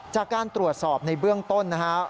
จากการตรวจสอบในเบื้องต้นนะครับ